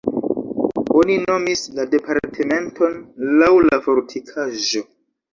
Oni nomis la departementon laŭ la fortikaĵo.